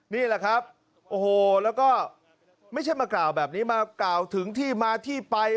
นี่แหละครับโอ้โหแล้วก็ไม่ใช่มากล่าวแบบนี้มากล่าวถึงที่มาที่ไป